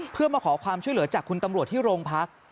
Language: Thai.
เพื่อมาขอความช่วยเหลือจากคุณตำรวจที่โรงพัก